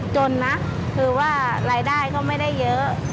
จนนะคือว่ารายได้ก็ไม่ได้เยอะ